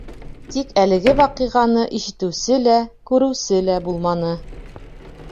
Тик әлеге ваҡиғаны ишетеүсе лә, күреүсе лә булманы.